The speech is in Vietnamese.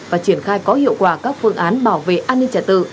và triển khai có hiệu quả các phương án bảo vệ an ninh trả tự